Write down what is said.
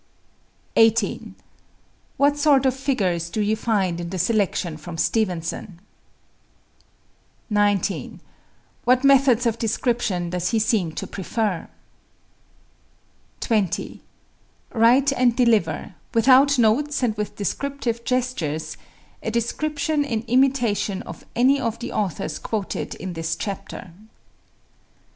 18. What sort of figures do you find in the selection from Stevenson, on page 242? 19. What methods of description does he seem to prefer? 20. Write and deliver, without notes and with descriptive gestures, a description in imitation of any of the authors quoted in this chapter.